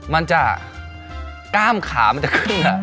มันจะกล้ามขามันจะขึ้น